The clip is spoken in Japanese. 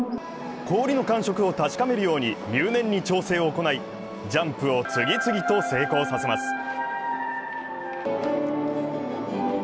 氷の感触を確かめるように入念に調整を行い、ジャンプを次々と成功させます。